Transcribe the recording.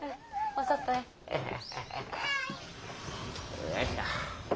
よいしょ。